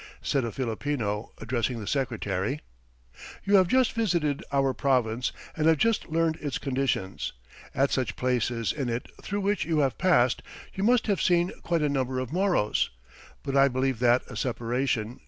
Said a Filipino, addressing the Secretary: "You have just visited our province and have just learned its conditions; at such places in it through which you have passed you must have seen quite a number of Moros, but I believe that a separation